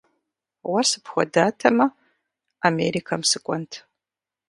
Уэ сыпхуэдатэмэ, Америкэм сыкӀуэнт.